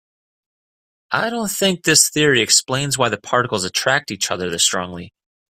I don't think this theory explains why the particles attract each other this strongly.